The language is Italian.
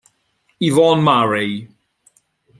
Yvonne Murray